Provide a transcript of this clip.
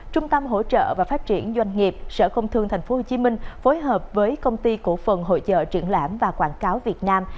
trung tâm hỗ trợ và phát triển doanh nghiệp sở công thương tp hcm phối hợp với công ty cổ phần hội trợ trưởng lãm và quảng cáo việt nam